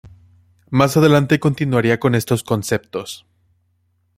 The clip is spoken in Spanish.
Más adelante continuaría con estos conceptos.